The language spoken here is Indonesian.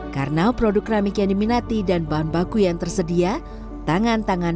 karena produk keramik yang diminati dan bahan baku yang tersedia tangan tangan